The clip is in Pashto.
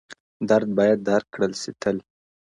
درد بايد درک کړل سي تل,